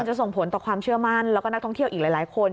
ส่งผลต่อความเชื่อมั่นแล้วก็นักท่องเที่ยวอีกหลายคน